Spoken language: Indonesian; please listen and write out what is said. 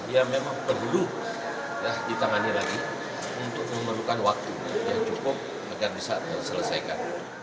ya memang perlu ditangani lagi untuk memerlukan waktu yang cukup agar bisa diselesaikan